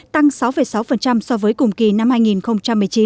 tăng sáu sáu so với cùng kỳ năm hai nghìn một mươi chín